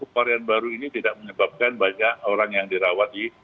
varian baru ini tidak menyebabkan banyak orang yang dirawat di